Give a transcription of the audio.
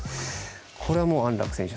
これはもう安楽選手